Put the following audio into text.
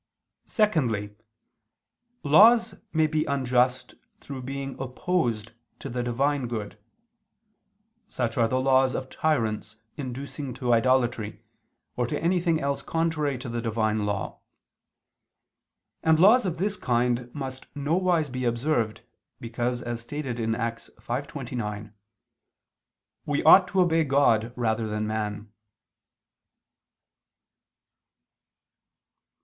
Secondly, laws may be unjust through being opposed to the Divine good: such are the laws of tyrants inducing to idolatry, or to anything else contrary to the Divine law: and laws of this kind must nowise be observed, because, as stated in Acts 5:29, "we ought to obey God rather than man."